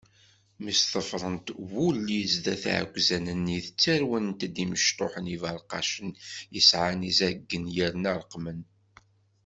Mi sḍefrent wulli zdat n iɛekkzan-nni, ttarwent-d imecṭuḥen iberqacen, yesɛan izaggen, yerna reqmen.